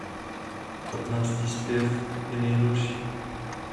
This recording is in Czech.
Patnáctý zpěv je nejdelší.